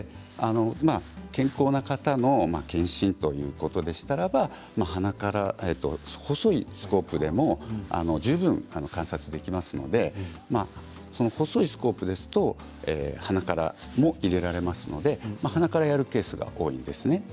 健康な方の検診ということでしたらば鼻から細いスコープでも十分観察できますので細いスコープですと鼻からも入れられますので鼻からやるケースが多いですね。